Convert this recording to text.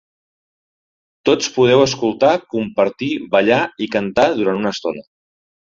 Tots podeu escoltar, compartir, ballar i cantar durant una estona.